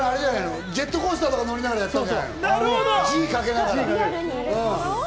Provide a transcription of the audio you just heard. ジェットコースターとか乗りながらやったんじゃないの？